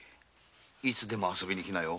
いつでも遊びに来な。